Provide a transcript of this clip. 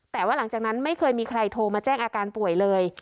แต่ว่าหลังจากนั้นไม่เคยมีใครโทรมาแจ้งอาการป่วยเลย